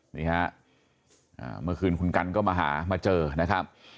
นี่ฮะเมื่อคืนคุณกันก็มาหามาเจอนะครับ